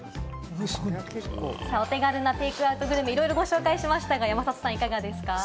お手軽なテイクアウトグルメ、いろいろご紹介しましたが、山里さんはいかがですか？